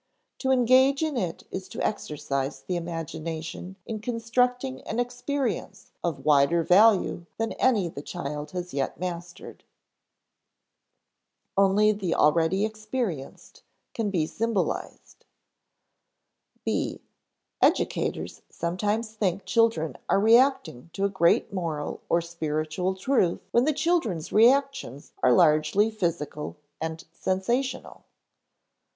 To engage in it is to exercise the imagination in constructing an experience of wider value than any the child has yet mastered. [Sidenote: Only the already experienced can be symbolized] (b) Educators sometimes think children are reacting to a great moral or spiritual truth when the children's reactions are largely physical and sensational.